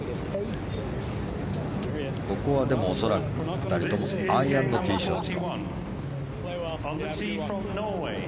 ここは恐らく２人ともアイアンのティーショット。